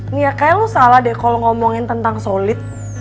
nih kayaknya lu salah deh kalo ngomongin tentang solid